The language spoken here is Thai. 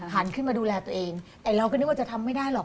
หันขึ้นมาดูแลตัวเองแต่เราก็นึกว่าจะทำไม่ได้หรอก